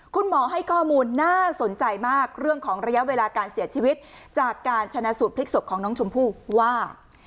คุณหมอให้ข้อมูลน่าสนใจมากเรื่องของระยะเวลาการเสียชีวิตจากการชนะสูตรพลิกศพของน้องชมพู่ว่า